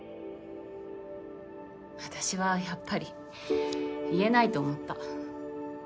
私はやっぱり言えないと思った。